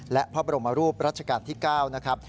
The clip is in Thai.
และพระบรมรูปรัชกาลที่๙นะครับ